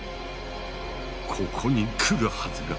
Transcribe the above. ここに来るはずが。